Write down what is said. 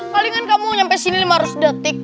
palingan kamu sampai sini lima ratus detik